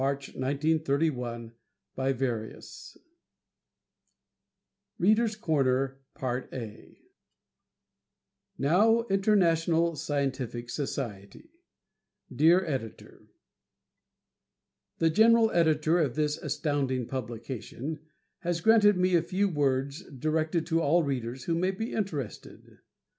The Reader's Corner [Illustration: The Reader's Corner] Now Internationale Scientific Society Dear Editor: The genial editor of this "Astounding" publication has granted me a few words directed to all readers who may be interested.